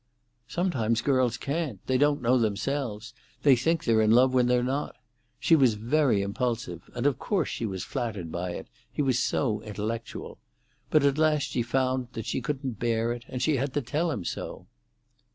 "Sometimes girls can't. They don't know themselves; they think they're in love when they're not. She was very impulsive, and of course she was flattered by it; he was so intellectual. But at last she found that she couldn't bear it, and she had to tell him so."